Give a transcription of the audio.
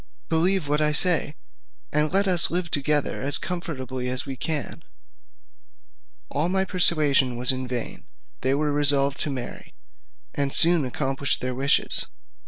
Believe what I say, and let us live together as comfortably as we can." All my persuasion was in vain; they were resolved to marry, and soon accomplished their wishes.